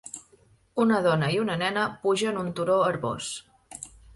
Una dona i una nena pugen un turó herbós.